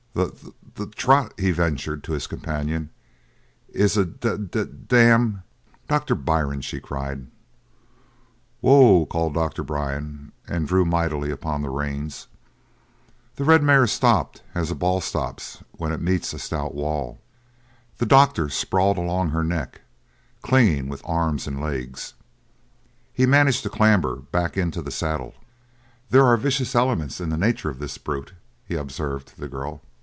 "The t t t trot," he ventured to his companion, "is a d d d dam " "Dr. Byrne!" she cried. "Whoa!" called Doctor Byrne, and drew mightily in upon the reins. The red mare stopped as a ball stops when it meets a stout wall; the doctor sprawled along her neck, clinging with arms and legs. He managed to clamber back into the saddle. "There are vicious elements in the nature of this brute," he observed to the girl.